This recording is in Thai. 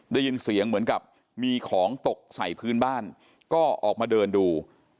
ได้ยินเสียงเหมือนกับมีของตกใส่พื้นบ้านก็ออกมาเดินดู